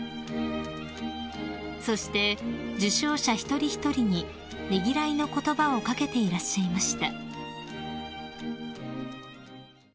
［そして受章者一人一人にねぎらいの言葉を掛けていらっしゃいました］